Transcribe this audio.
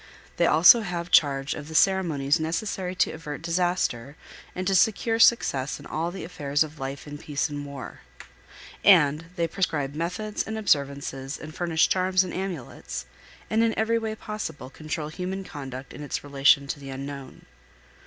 They also have charge of the ceremonies necessary to avert disaster and to secure success in all the affairs of life in peace and war; and they prescribe methods and observances and furnish charms and amulets, and in every way possible control human conduct in its relation to the unknown.